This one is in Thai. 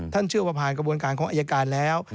เชื่อว่าผ่านกระบวนการของอายการแล้ว